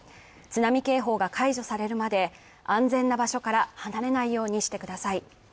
津波警報が解除されるまで安全な場所から離れないようにしてください。